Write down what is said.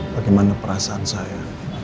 bagaimana perasaan saya